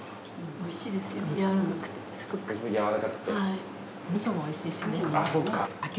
おいしいですから。